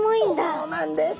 そうなんです。